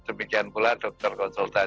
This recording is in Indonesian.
demikian pula dokter konsultan